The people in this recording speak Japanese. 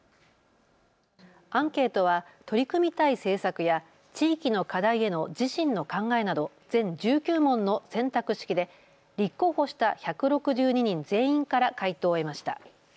アンケートは取り組みたい政策や地域の課題への自身の考えなど全１９問の選択式で立候補した１６２人全員から回答を得ました。